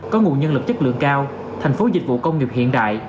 có nguồn nhân lực chất lượng cao thành phố dịch vụ công nghiệp hiện đại